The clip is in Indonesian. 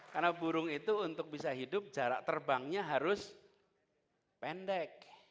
karena burung itu untuk bisa hidup jarak terbangnya harus pendek